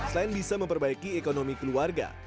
selain bisa memperbaiki ekonomi keluarga